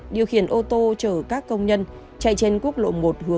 điều khiển ô tô chở các công nhân chạy trên quốc lộ một hướng từ thành phố